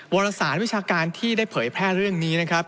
วรสารวิชาการที่ได้เผยแพร่เรื่องนี้นะครับ